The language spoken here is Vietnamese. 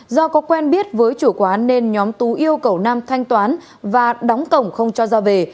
do có quen biết với chủ quán nên nhóm tú yêu cầu nam thanh toán và đóng cổng không cho ra về